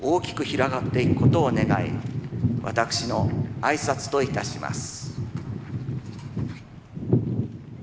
私の挨拶といたします。